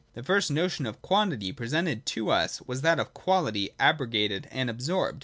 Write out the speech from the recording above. The first notion of quantity presented to us was that of quahty abrogated and absorbed.